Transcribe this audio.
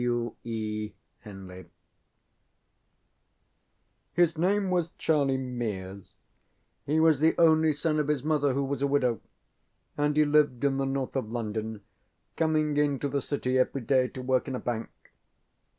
ŌĆØ W. E. Henley. His name was Charlie Mears; he was the only son of his mother who was a widow, and he lived in the north of London, coming into the City every day to work in a bank.